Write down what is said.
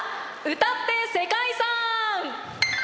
「歌って世界遺産」！